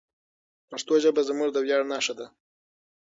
پښتو ژبه زموږ د ویاړ نښه ده.